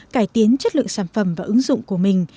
cải tiến chất lượng sản phẩm và ứng dụng của mình